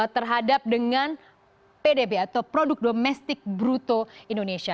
terhadap dengan pdb atau produk domestik bruto indonesia